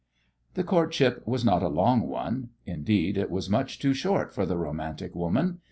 The courtship was not a long one: indeed, it was much too short for the romantic woman.